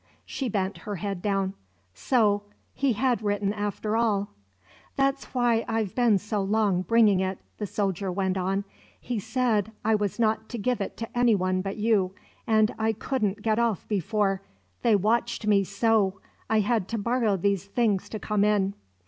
She bent her head down. So he had written after all. "That's why I've been so long bringing it," the soldier went on. "He said I was not to give it to anyone but you, and I couldn't get off before they watched me so. I had to borrow these things to come in."